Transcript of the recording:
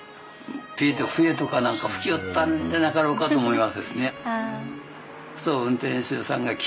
ピーッと笛とか何か吹きよったんじゃなかろうかと思いますですね。